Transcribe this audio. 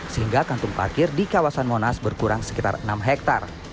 sehingga kantung parkir di kawasan monas berkurang sekitar enam hektare